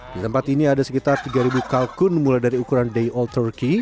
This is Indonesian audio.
di tempat ini ada sekitar tiga kalkun mulai dari ukuran day all turki